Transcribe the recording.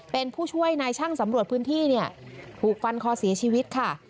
เป็นผู้ช่วยนายช่างสำรวจพื้นที่เนี่ยถูกฟันคอเสียชีวิตค่ะ